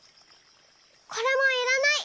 これもいらない。